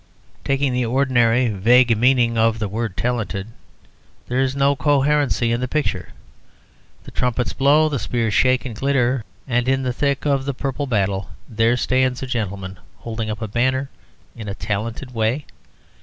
Taking the ordinary vague meaning of the word "talented," there is no coherency in the picture. The trumpets blow, the spears shake and glitter, and in the thick of the purple battle there stands a gentleman holding up a banner in a talented way.